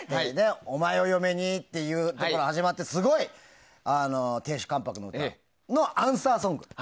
お前を嫁にっていうところから始まってすごい亭主関白の歌のアンサーソング。